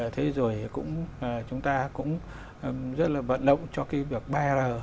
thế rồi chúng ta cũng rất là vận động cho cái việc ba r